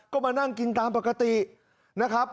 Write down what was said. ก็มานั่งกินตามปกตินะครับ